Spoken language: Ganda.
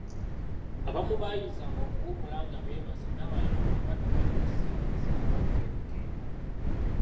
Abamu baayinzanga okuwummula nga beebase n'abalala nga batuula mu kisiikirize nga baluka emikeeka.